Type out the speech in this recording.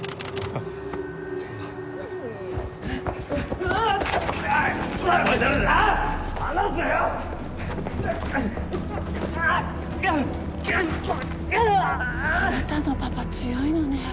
あなたのパパ強いのね。